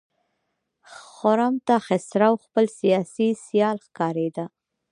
خرم ته خسرو خپل سیاسي سیال ښکارېده.